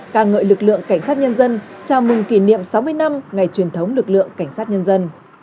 ca ngợi lực lượng cảnh sát nhân dân chào mừng kỷ niệm sáu mươi năm ngày truyền thống lực lượng cảnh sát nhân dân